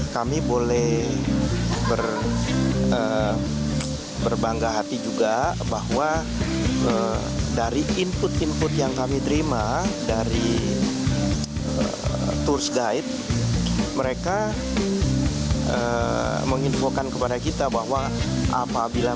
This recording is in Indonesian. kami boleh berbangga hati juga bahwa dari input input yang kami terima dari tourist guide mereka menginfokan kepada kita bahwa apabila mereka mendapat rombongan untuk datang ke indonesia